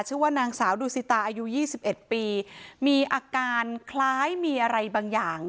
ชื่อว่านางสาวดูสิตาอายุ๒๑ปีมีอาการคล้ายมีอะไรบางอย่าง